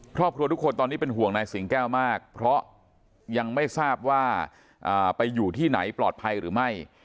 ครอบครัวทุกคนตอนนี้เป็นห่วงนายสิงแก้วมากเพราะยังไม่ทราบว่าไปอยู่ที่ไหนปลอดภัยหรือไม่